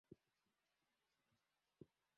anchi muliohudhuria hapa na wazanzibari wote